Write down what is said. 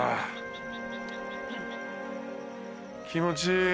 気持ちいい。